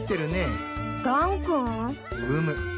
うむ。